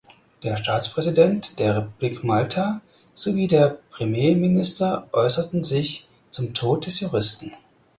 Der Staatspräsident der Republik Malta sowie der Premierminister äußerten sich zum Tod des Juristen.